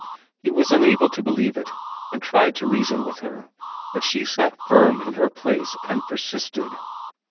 He was unable to believe it, and tried to reason with her, but she sat firm in her place and persisted.